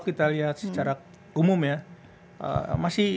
kita lihat secara umum ya